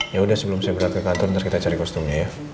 ya udah sebelum saya berangkat ke kantor nanti kita cari kostumnya ya